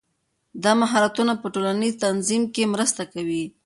دا مهارتونه په ټولنیز تنظیم کې مرسته کوي.